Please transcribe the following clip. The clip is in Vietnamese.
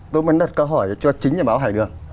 tôi muốn đặt câu hỏi cho chính nhà báo hải đường